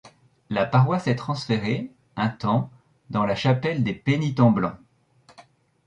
La paroisse est transférée, un temps, dans la Chapelle des Pénitents blancs.